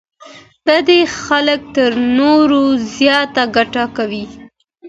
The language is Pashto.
بډای خلګ تر نورو زياته ګټه کوي.